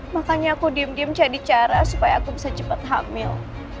makanya aku diem diem jadi cara supaya aku bisa cepat hamil